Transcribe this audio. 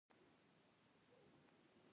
حمید لودي څخه وروسته نصر پاچاهي ته رسېدلى دﺉ.